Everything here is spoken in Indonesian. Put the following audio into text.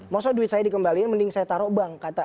mau soal duit saya dikembalikan mending saya taruh bank